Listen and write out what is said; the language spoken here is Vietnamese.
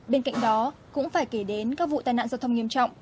bên cạnh đó cũng phải kể đến các vụ tai nạn giao thông nghiêm trọng